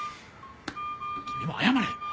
君も謝れ！